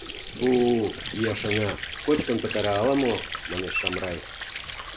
— Фу-у, ия шыҥа, кочкын пытара ала-мо! — манеш Шамрай.